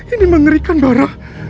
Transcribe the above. ini mengerikan barah